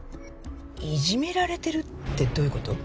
いじめられてるってどういう事？